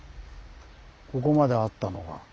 ここまであったのが。